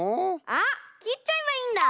あっきっちゃえばいいんだ！